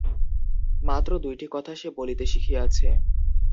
মাত্র দুইটি কথা সে বলিতে শিখিয়াছে!